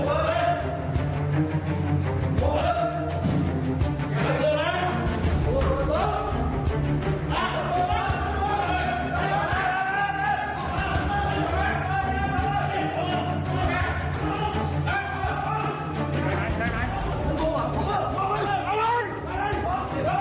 เอาเลยมาวาพร้อมพร้อมเดี๋ยวล่ะ